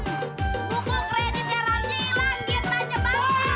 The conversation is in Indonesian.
buku kreditnya ramji hilang kita nyebangin